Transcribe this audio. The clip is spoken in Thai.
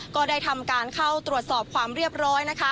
ก็ได้ทำการเข้าตรวจสอบความเรียบร้อยนะคะ